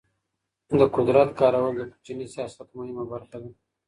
د قدرت کارول د کوچني سياست مهمه برخه ده.